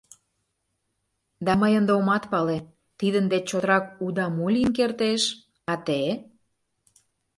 Да мый ынде омат пале, тидын деч чотрак уда мо лийын кертеш... а те?